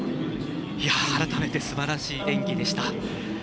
改めて、すばらしい演技でした。